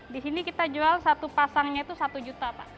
di sini kita jual satu pasangnya itu satu juta pak